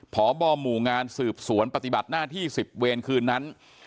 พบหมู่งานสืบสวนปฏิบัติหน้าที่๑๐เวรคืนนั้น